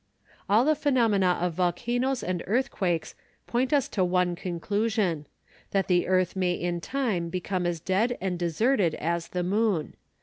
All the phenomena of volcanoes and earthquakes point us to one conclusion: that the earth may in time become as dead and deserted as the moon.